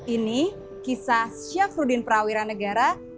ini kisah syafruddin prawira negara